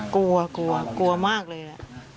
กลัวกลัวกลัวมากเลย